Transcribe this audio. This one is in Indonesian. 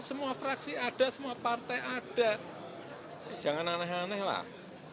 semua fraksi ada semua partai ada jangan aneh aneh lah